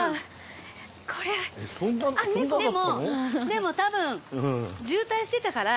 でも多分渋滞してたから。